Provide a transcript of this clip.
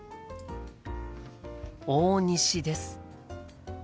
大西です。